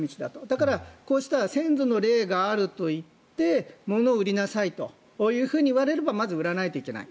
だから、こうした先祖の霊があると言って物を売りなさいというふうに言われればまず売らないといけない。